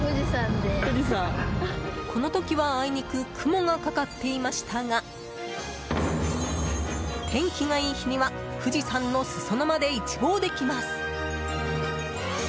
この時は、あいにく雲がかかっていましたが天気がいい日には富士山の裾野まで一望できます。